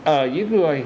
ở những người